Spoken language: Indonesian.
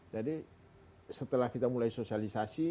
jadi setelah kita mulai sosialisasi